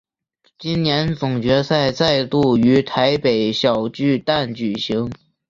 今年总决赛再度于台北小巨蛋举行。